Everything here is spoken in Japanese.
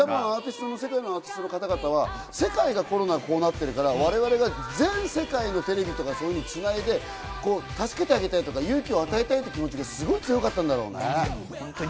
世界のアーティストの方々は世界がコロナでこうなってるから、我々が全世界のテレビとか、そういうのをつないで、助けてあげたい、勇気を与えたいって気持ちがすごい強かったんだろうね。